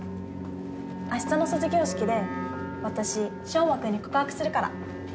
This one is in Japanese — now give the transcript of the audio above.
あしたの卒業式で私翔真君に告白するから。